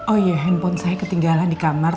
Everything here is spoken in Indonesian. oh iya handphone saya ketinggalan di kamar